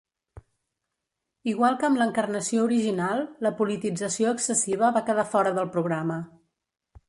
Igual que amb l'encarnació original, la politització excessiva va quedar fora del programa.